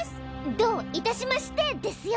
どいたしましてですよ。